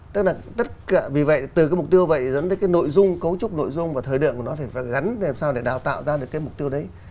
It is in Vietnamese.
tức là tất cả vì vậy từ cái mục tiêu vậy dẫn tới cái nội dung cấu trúc nội dung và thời điểm của nó phải gắn làm sao để đào tạo ra được cái mục tiêu đấy